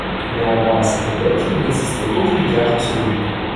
Néanmoins, à cette époque, il n'existait aucune gare en ce lieu.